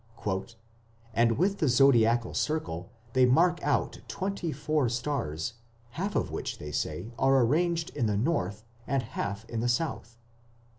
"And with the zodiacal circle they mark out twenty four stars, half of which they say are arranged in the north and half in the south."